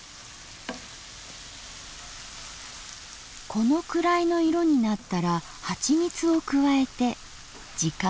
このくらいの色になったらはちみつを加えて時間短縮。